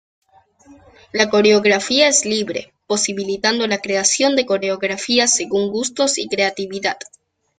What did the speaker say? La coreografía es libre, posibilitando la creación de coreografías según gustos y creatividad.